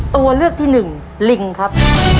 ตัวเลือกที่หนึ่งลิงครับ